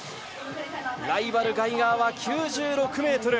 ライバル、ガイガーは９６ｍ。